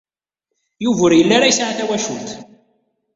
Yuba ur yelli ara yesɛa tawacult.